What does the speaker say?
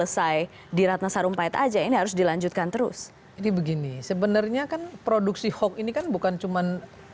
sampai aja ini harus dilanjutkan terus ini begini sebenarnya kan produksi hoax ini kan bukan cuman